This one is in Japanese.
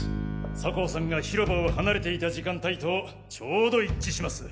酒匂さんが広場を離れていた時間帯とちょうど一致します。